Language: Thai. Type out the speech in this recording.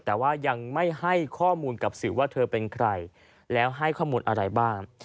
แต่ว่ายังไม่ให้ข้อมูลกับสื่อว่าเธอเป็นใครแล้วให้ข้อมูลอะไรบ้าง